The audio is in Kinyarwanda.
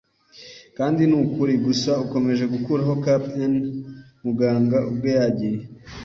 kandi ni ukuri. Gusa ukomeje gukuraho cap'n. Muganga ubwe yagiye